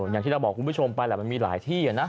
อย่างที่เราบอกคุณผู้ชมไปแหละมันมีหลายที่นะ